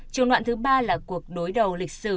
trường đoạn thứ ba là cuộc đối đầu lịch sử